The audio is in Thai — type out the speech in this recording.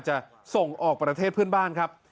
จะส่งออกประเทศเพื่อนบ้านครับ